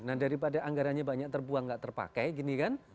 nah daripada anggarannya banyak terbuang gak terpakai gini kan